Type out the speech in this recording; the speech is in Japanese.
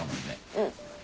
うん。